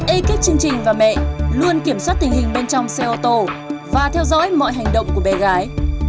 ekip chương trình và mẹ luôn kiểm soát tình hình bên trong xe ô tô và theo dõi mọi hành động của bé gái